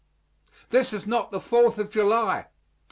This is not the Fourth of July.